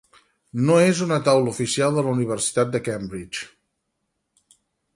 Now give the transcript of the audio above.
No és una taula oficial de la Universitat de Cambridge.